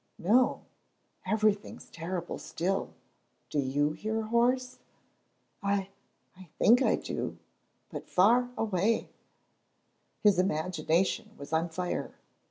"No, everything's terrible still. Do you hear a horse?" "I I think I do, but far awa'." His imagination was on fire.